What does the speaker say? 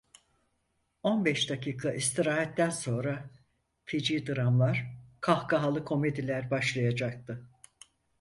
On beş dakika istirahatten sonra feci dramlar, kahkahalı komediler başlayacaktı…